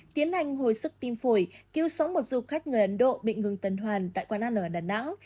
tiến hành hồi sức tim phổi cứu sống một du khách người ấn độ bị ngừng tần hoàn tại quán ăn ở đà nẵng